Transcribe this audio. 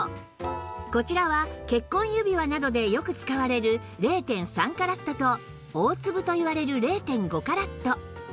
こちらは結婚指輪などでよく使われる ０．３ カラットと大粒といわれる ０．５ カラット